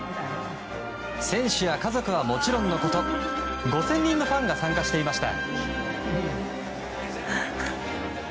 選手や家族はもちろんのこと５０００人のファンが参加していました。